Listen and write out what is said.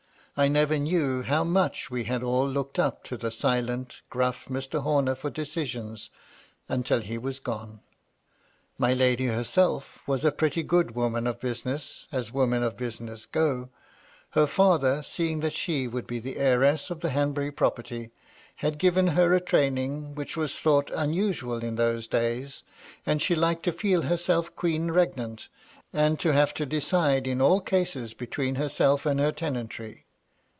I never knew how much we had all looked up to the silent, gruff Mr. Horner for decisions, until he was gone. My lady herself was a pretty good woman of business, as women of business go. Her father, seeing that she would be the heiress of the Hanbury property, had MY LADY LUDLOW. 275 given her a trsdmng which was thought unusual in those days, and she liked to feel herself queen regnant, and to have to decide in all cases between herself and her tenantry.